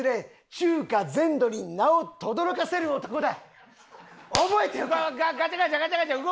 中華全土に名を轟かせる男だ！